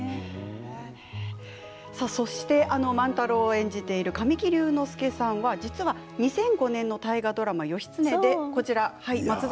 万太郎を演じている神木隆之介さん、実は２００５年の大河ドラマ